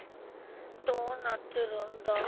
どうなってるんだ。